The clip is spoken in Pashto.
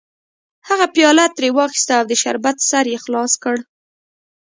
هغه پیاله ترې واخیسته او د شربت سر یې خلاص کړ